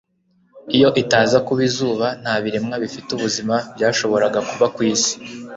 Iyo itaza kuba izuba, nta biremwa bifite ubuzima byashoboraga kubaho ku isi.